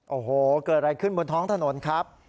โอ้โหเกิดอะไรขึ้นบนท้องถนนครับ